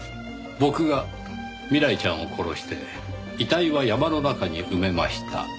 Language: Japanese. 「僕が未来ちゃんを殺して遺体は山の中に埋めました」。